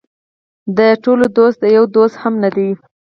د ټولو دوست د یو دوست هم نه دی.